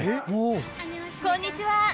こんにちは。